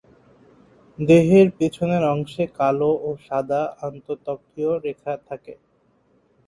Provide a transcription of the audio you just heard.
দেহের পিছনের অংশে কালো ও সাদা আন্তঃত্বকীয় রেখা থাকে।